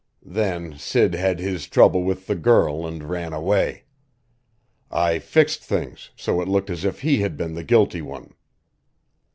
Then Sid had his trouble with the girl and ran away. I fixed things so it looked as if he had been the guilty one.